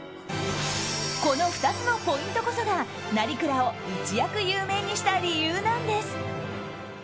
この２つのポイントこそが成蔵を一躍有名にした理由なんです。